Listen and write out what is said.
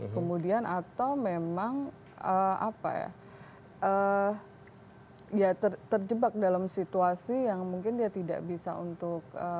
kemudian atau memang apa ya terjebak dalam situasi yang mungkin dia tidak bisa untuk